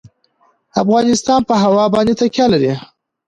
افغانستان په هوا باندې تکیه لري.